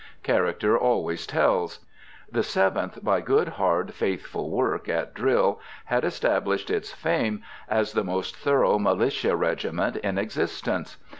Character always tells. The Seventh, by good, hard, faithful work at drill, had established its fame as the most thorough militia regiment in existence.